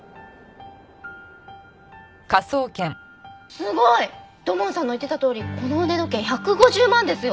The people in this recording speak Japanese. すごい！土門さんの言ってたとおりこの腕時計１５０万ですよ！